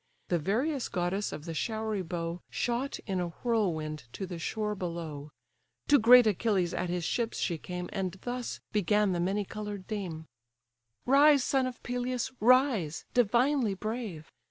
The various goddess of the showery bow, Shot in a whirlwind to the shore below; To great Achilles at his ships she came, And thus began the many colour'd dame: "Rise, son of Peleus! rise, divinely brave!